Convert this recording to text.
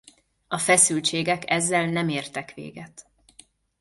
A feszültségek ezzel nem értek véget.